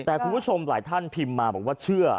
แต่ผู้ชมหลายท่านพิมมาว่าเชื่อ